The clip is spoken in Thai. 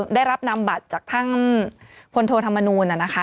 ได้รับนำบัตรจากท่านพลโทธรรมนูลนะคะ